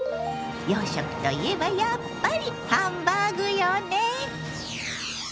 洋食といえばやっぱりハンバーグよね。